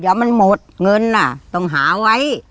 เดี๋ยวมันหมดเงินต้องหาไว้